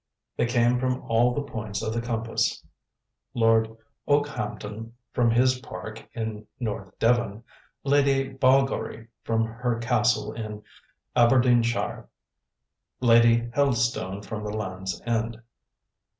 They came from all the points of the compass. Lord Okehampton from his park in North Devon, Lady Balgowrie from her castle in Aberdeenshire, Lady Helstone from the Land's End.